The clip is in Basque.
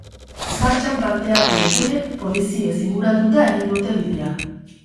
Martxan parte hartu dutenek poliziez inguratuta egin dute bidea.